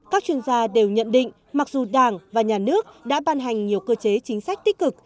các chuyên gia đều nhận định mặc dù đảng và nhà nước đã ban hành nhiều cơ chế chính sách tích cực